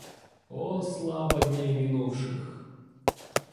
О слава дней минувших!